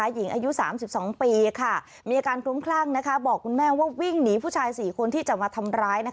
หญิงอายุ๓๒ปีมีอาการคลุ้มคลั่งบอกคุณแม่ว่าวิ่งหนีผู้ชาย๔คนที่จะมาทำร้าย